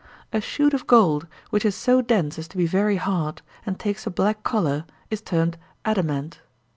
A shoot of gold, which is so dense as to be very hard, and takes a black colour, is termed adamant.